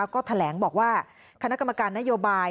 ก็แถลงบอกว่าคณะกรรมการนโยบาย